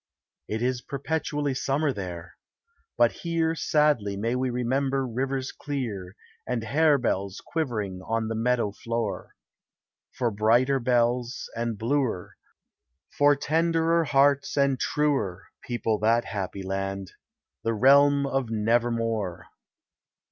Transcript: It is perpetual summer there. But here Sadly may we remember rivers clear, And harebells quivering on the meadow floor. DEATH: IMMORTALITY: HEAVEN. 401 For brighter bells and bluer, For tenderer hearts and truer Feople that happy land — the realm of Nevermore.